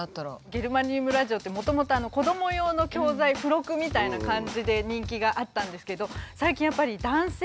ゲルマニウムラジオってもともと子ども用の教材付録みたいな感じで人気があったんですけど。